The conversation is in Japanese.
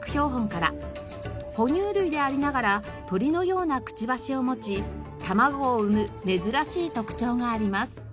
哺乳類でありながら鳥のようなくちばしを持ち卵を産む珍しい特徴があります。